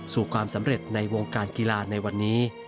สู่ความสำเร็จในวงการกีฬาในวันนี้